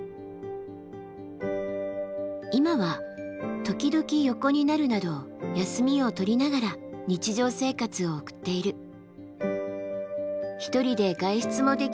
今は時々横になるなど休みを取りながら日常生活を送っている。